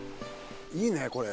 いいねこれ。